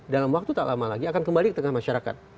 dalam waktu tak lama lagi akan kembali ke tengah masyarakat